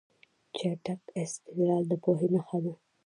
چټک استدلال د پوهې نښه ده.